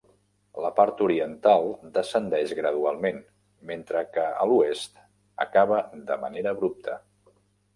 La part oriental descendeix gradualment, mentre que a l'oest acaba de manera abrupta.